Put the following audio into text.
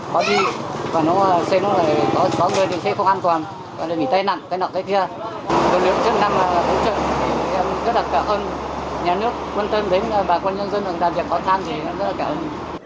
làm việc có tham thì rất là cảm ơn